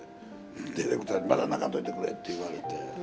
ディレクターに、まだ泣かんといてくれって言われて。